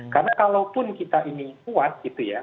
karena kalaupun kita ini kuat gitu ya